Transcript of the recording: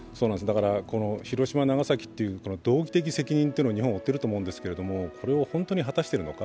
広島・長崎という道義的責任というのを日本は負ってると思うんですけど、それを果たしているのか。